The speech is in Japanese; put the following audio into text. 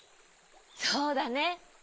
そうだね。